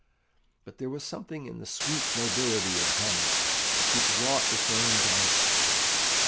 But there was something in the sweet nobility of Hamlet which wrought its own downfall.